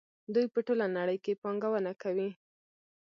دوی په ټوله نړۍ کې پانګونه کوي.